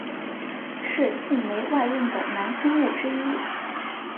是晋煤外运的南通路之一。